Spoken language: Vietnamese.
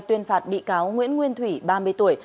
tuyên phạt bị cáo nguyễn nguyên thủy ba mươi tuổi